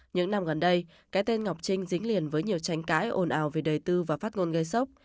những năm gần đây cái tên ngọc trinh dính liền với nhiều tranh cãi ồn ào về đời tư và phát ngôn gây sốc